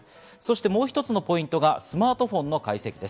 もう一つのポイントがスマートフォンの解析です。